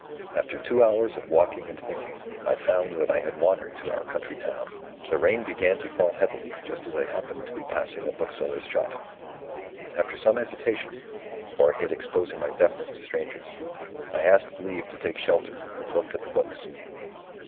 "After two hours of walking and thinking, I found that I had wandered to our county town. The rain began to fall heavily just as I happened to be passing a bookseller's shop. After some hesitation for I hate exposing my deafness to strangers I asked leave to take shelter, and looked at the books.